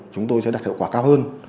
chúng tôi sẽ đạt hiệu quả cao hơn